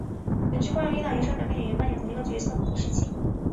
本剧惯用一老一少两个演员扮演同一个角色的不同时期。